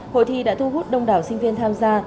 hội thi đã thu hút đông đảo sinh viên tham gia